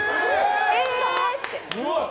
えー！って。